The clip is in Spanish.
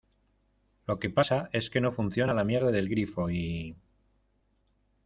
lo que pasa es que no funciona la mierda del grifo y...